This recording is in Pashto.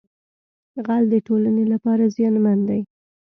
غل د ټولنې لپاره زیانمن دی